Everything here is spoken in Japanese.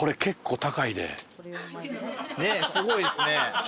ねっすごいっすね。